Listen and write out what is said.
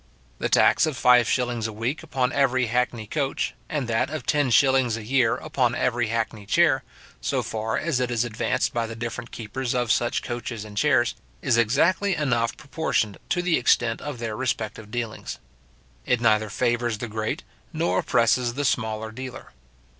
The tax of five shillings a week upon every hackney coach, and that of ten shillings a year upon every hackney chair, so far as it is advanced by the different keepers of such coaches and chairs, is exactly enough proportioned to the extent of their respective dealings. It neither favours the great, nor oppresses the smaller dealer.